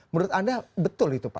menurut anda betul itu pak